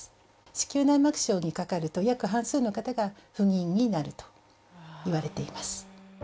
子宮内膜症にかかると約半数の方が不妊になるといわれています